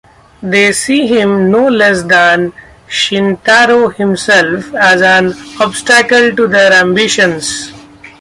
They see him, no less than Shintaro himself, as an obstacle to their ambitions.